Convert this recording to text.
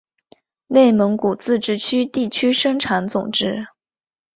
内蒙古自治区地区生产总值